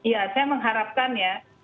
ya saya mengharapkan ya